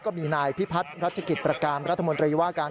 ก็มีนายพิพัฒน์รัชกิจประการรัฐมนตรีว่าการ